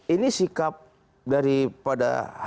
ini sikap daripada hasil musyawah